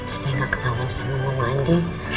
supaya gak ketahuan sama mama andi